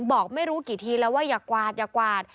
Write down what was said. บอกไม่รู้กี่ทีแล้วว่าอย่ากวาดอย่ากวาด